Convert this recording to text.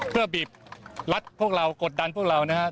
เพื่อบีบรัดพวกเรากดดันพวกเรานะครับ